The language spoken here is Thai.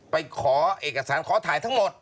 ไปขอเอกสารขอถ่ายทั้งหมด